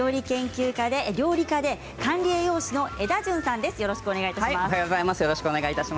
料理家で管理栄養士のエダジュンさんです。